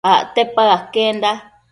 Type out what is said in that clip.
Acte paë aquenda